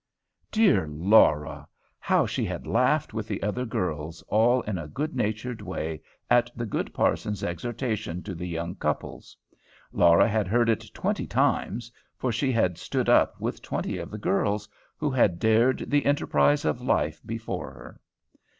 Dear Laura! How she had laughed with the other girls, all in a good natured way, at the good Parson's exhortation to the young couples. Laura had heard it twenty times, for she had "stood up" with twenty of the girls, who had dared The Enterprise of Life before her!